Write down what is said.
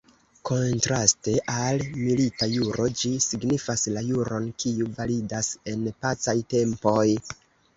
Kontraste al "milita juro" ĝi signifas la juron, kiu validas en pacaj tempoj.